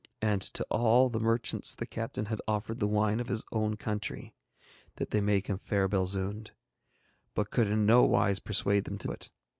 And to all the merchants the captain had offered the wine of his own country, that they make in fair Belzoond, but could in no wise persuade them to it.